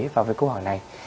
và với câu hỏi này